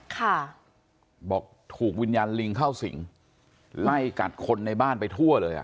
ค่ะบอกถูกวิญญาณลิงเข้าสิงไล่กัดคนในบ้านไปทั่วเลยอ่ะ